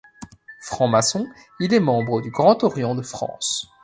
Franc-maçon, il est membre du Grand Orient de France.